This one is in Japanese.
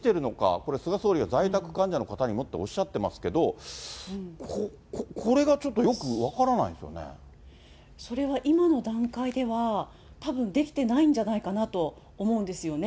これ、菅総理が在宅患者の方にもとおっしゃってますけど、これがちょっそれは今の段階では、たぶんできてないんじゃないかなと思うんですよね。